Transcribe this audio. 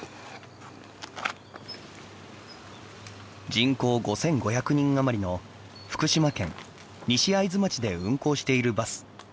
人口５，５００人余りの福島県西会津町で運行しているバス。